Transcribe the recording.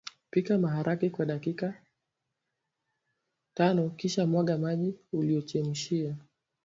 pika maharage kwa dakika tanokisha mwaga maji uliyochemshia